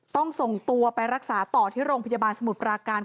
ต้องส่งตัวไปรักษาต่อที่โรงพยาบาลสมุทรปราการ